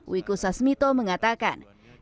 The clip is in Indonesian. wiku sasmito mengatakan